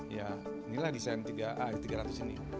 inilah desain ai tiga ratus ini